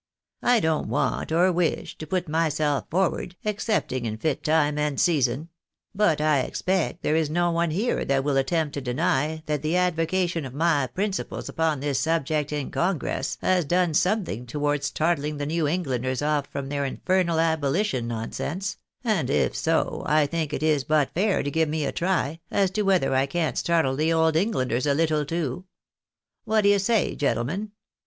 I don't want, or wish, to put myself forward, excepting in fit time and season ; but I expect there is no one here that will attempt to deny that the advocation of my principles upon this subject in congress has done something towards starthng the New Englanders off from their infernal abolition nonsense ; and if so, I think it is but fair to give me a try, as to whether I can't startle the Old Englanders a little too. What d'ye say, gentlemen